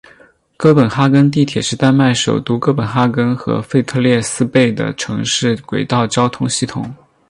哥本哈根地铁是丹麦首都哥本哈根和腓特烈斯贝的城市轨道交通系统。